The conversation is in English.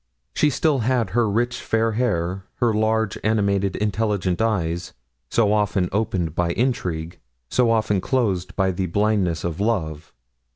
She still had her rich fair hair; her large, animated, intelligent eyes, so often opened by intrigue, so often closed by the blindness of love.